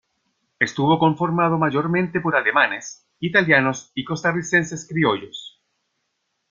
Estuvo conformado mayormente por alemanes, italianos y costarricenses criollos.